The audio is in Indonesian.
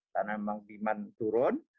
karena memang demand turun